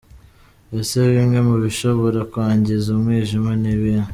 Ese bimwe mu bishobora kwangiza umwijima ni ibihe?.